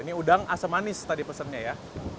ini udang asam manis tadi pesannya ya